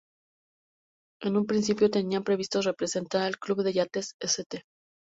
En un principio tenían previsto representar al Club de Yates St.